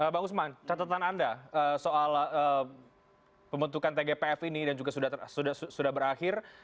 bang usman catatan anda soal pembentukan tgpf ini dan juga sudah berakhir